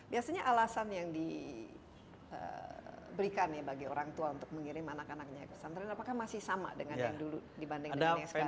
biasanya alasan yang diberikan ya bagi orang tua untuk mengirim anak anaknya ke pesantren apakah masih sama dengan yang dulu dibanding dengan yang sekarang